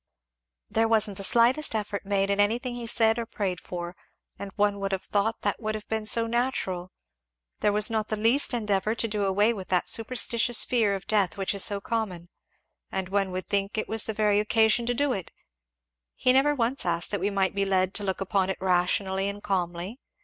"There wasn't the slightest effort made in anything he said or prayed for, and one would have thought that would have been so natural! there was not the least endeavour to do away with that superstitious fear of death which is so common and one would think it was the very occasion to do it; he never once asked that we might be led to look upon it rationally and calmly.